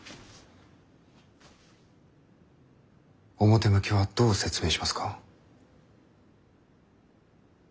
表向きはどう説明しますか？